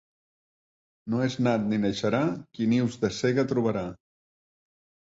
No és nat ni naixerà qui nius de cega trobarà.